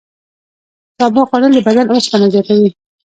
سابه خوړل د بدن اوسپنه زیاتوي.